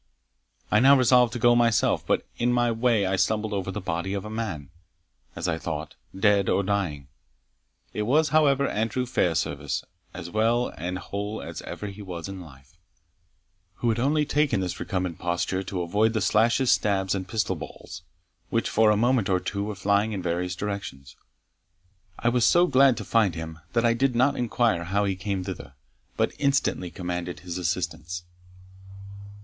I now resolved to go myself, but in my way I stumbled over the body of a man, as I thought, dead or dying. It was, however, Andrew Fairservice, as well and whole as ever he was in his life, who had only taken this recumbent posture to avoid the slashes, stabs, and pistol balls, which for a moment or two were flying in various directions. I was so glad to find him, that I did not inquire how he came thither, but instantly commanded his assistance.